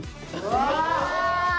うわ！